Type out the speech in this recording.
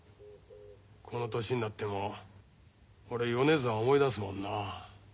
この年になっても俺米沢思い出すもんな。